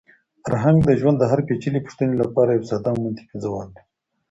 فرهنګ د ژوند د هرې پېچلې پوښتنې لپاره یو ساده او منطقي ځواب لري.